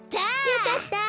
よかった！